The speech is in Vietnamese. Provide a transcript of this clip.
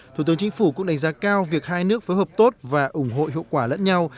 thủ tướng chính phủ cũng đánh giá cao việc hai nước phối hợp tốt và ủng hộ hiệu quả lẫn nhau